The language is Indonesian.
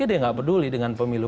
dia nggak peduli dengan pemilu